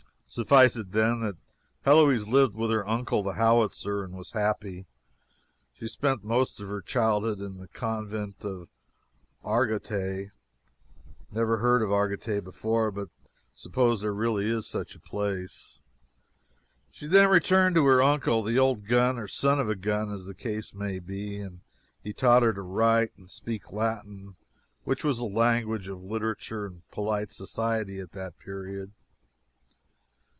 Suffice it, then, that Heloise lived with her uncle the howitzer and was happy. She spent the most of her childhood in the convent of Argenteuil never heard of Argenteuil before, but suppose there was really such a place. She then returned to her uncle, the old gun, or son of a gun, as the case may be, and he taught her to write and speak Latin, which was the language of literature and polite society at that period.